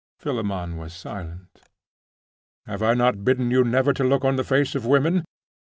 Philammon was silent. 'Have I not bidden you never to look on the face of women?